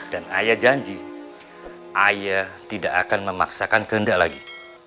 dan ayah janji ayah tidak akan memaksakan kehendak lagi